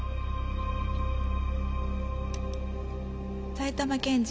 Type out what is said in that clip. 「埼玉県人。